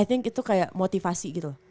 i think itu kayak motivasi gitu